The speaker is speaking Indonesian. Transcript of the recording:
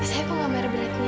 ya udah aku tunggu di sini